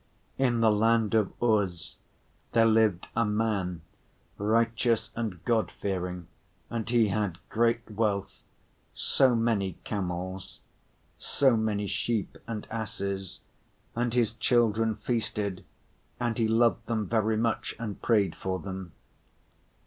In the land of Uz, there lived a man, righteous and God‐fearing, and he had great wealth, so many camels, so many sheep and asses, and his children feasted, and he loved them very much and prayed for them.